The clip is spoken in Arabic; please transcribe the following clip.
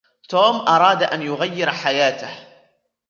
توم أراد أن يغير حياتهُ.